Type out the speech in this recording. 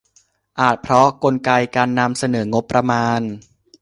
อาจเพราะกลไกการนำเสนองบประมาณ